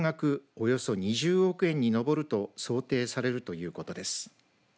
およそ２０億円に上ると想定されるということです。